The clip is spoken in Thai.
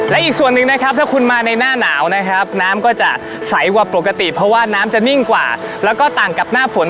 และอีกส่วนหนึ่งนะครับถ้าคุณมาในหน้าหนาวนะครับน้ำก็จะใสกว่าปกติเพราะว่าน้ำจะนิ่งกว่าแล้วก็ต่างกับหน้าฝน